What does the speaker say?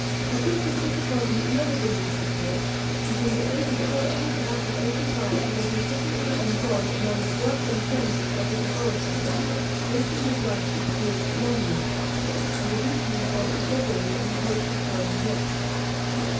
Repeated disappointment never diminished his hopes; and from the age of fourteen to that of eighty five he was incessantly employed among the drugs and furnaces of his laboratory, wasting his life with the view of prolonging it, and reducing himself to beggary in the hopes of growing rich.